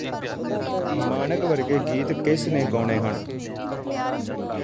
ਮਾਣਕ ਵਰਗੇ ਗੀਤ ਕਿਸ ਨੇ ਗਾਉਣੇ ਹਨ